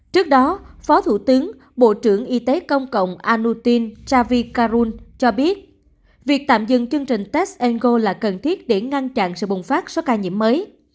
trước đó phó thủ tướng bộ trưởng y tế công cộng anutin javikarul cho biết việc tạm dừng chương trình test and go là cần thiết để ngăn chặn sự bùng phát số ca nhiễm mới